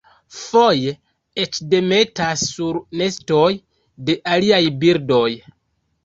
Foje eĉ demetas sur nestoj de aliaj birdoj.